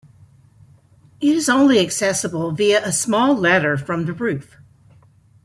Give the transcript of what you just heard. It is only accessible via a small ladder from the roof.